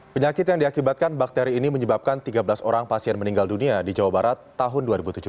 penyakit yang diakibatkan bakteri ini menyebabkan tiga belas orang pasien meninggal dunia di jawa barat tahun dua ribu tujuh belas